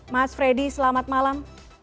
mas freddy selamat malam